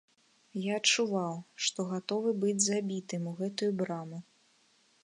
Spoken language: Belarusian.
Я адчуваў, што гатовы быць забітым у гэтую браму.